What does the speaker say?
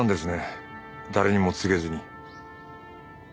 誰にも告げずに。